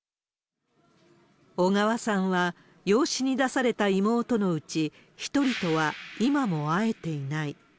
小川さんは、養子に出された妹のうち、１人とは今も会えていない。